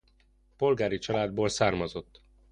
Polgári családból származott.